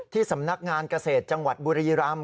สำนักงานเกษตรจังหวัดบุรีรำ